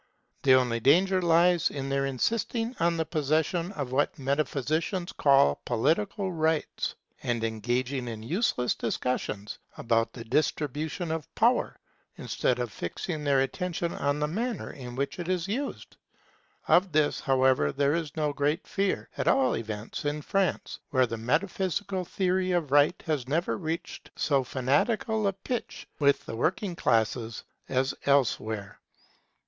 The only danger lies in their insisting on the possession of what metaphysicians call political rights, and in engaging in useless discussions about the distribution of power, instead of fixing their attention on the manner in which it is used. Of this, however, there is no great fear, at all events in France, where the metaphysical theory of Right has never reached so fanatical a pitch with the working classes as elsewhere.